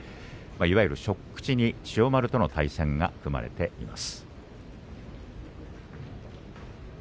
いわゆる初口に千代丸との対戦が組まれています。